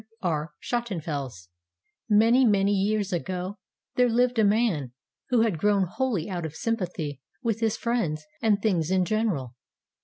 THE FORGOTTEN CHIME Many, many years ago, there lived a man who had grown wholly out of sym pathy with his friends and things in gen eral.